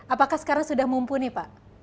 apakah sekarang sudah mumpuni pak